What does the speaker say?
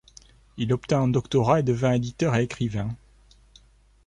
Il obtint un doctorat et devint éditeur et écrivain.